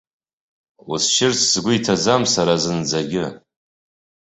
Усшьырц сгәы иҭаӡам сара зынӡагьы.